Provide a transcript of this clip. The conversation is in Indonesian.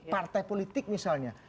partai politik misalnya